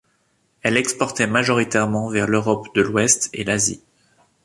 Elle exportait majoritairement vers l'Europe de l'ouest et l'Asie.